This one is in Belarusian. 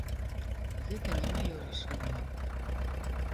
Гэта не маё рашэнне.